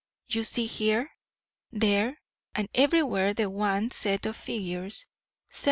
You see here, there, and everywhere the one set of figures, 7753.